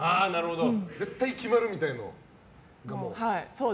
絶対決まるみたいなのがもう？